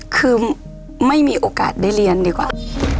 คือไม่มีโอกาสได้เรียนดีกว่า